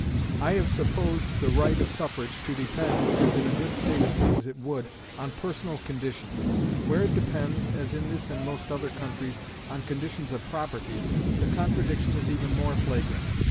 I have supposed the right of suffrage to depend, as in a good state of things it would, on personal conditions. Where it depends, as in this and most other countries, on conditions of property, the contradiction is even more flagrant.